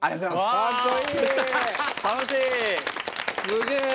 すげえ！